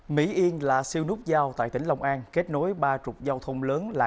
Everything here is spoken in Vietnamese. mỹ yên là siêu nút giao tại tỉnh long an kết nối ba trục giao thông lớn là